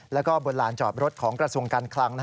แล้วก็บนลานจอดรถของกระทรวงการคลัง